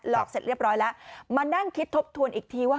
อกเสร็จเรียบร้อยแล้วมานั่งคิดทบทวนอีกทีว่า